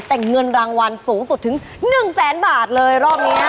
แต่เงินรางวัลสูงสุดถึง๑แสนบาทเลยรอบนี้